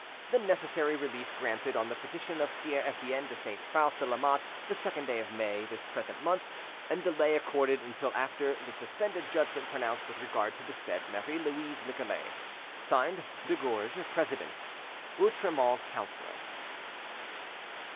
The necessary relief granted on the petition of Pierre Etienne de Saint Faust de Lamotte, the second day of May this present month, and delay accorded until after the suspended judgment pronounced with regard to the said Marie Louise Nicolais. "(Signed) De Gourgues, President. "OUTREMONT, Councillor."